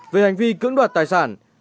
về hành vi cưỡng đoạt tài sản